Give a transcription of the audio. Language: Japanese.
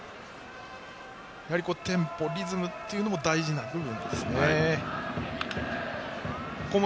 テンポ、リズムというのも大事な部分ですね。